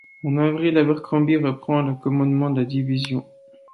En avril, Abercrombie reprend le commandement de la division.